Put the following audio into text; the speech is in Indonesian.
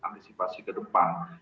antisipasi ke depan